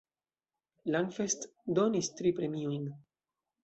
Langfest donis tri premiojn.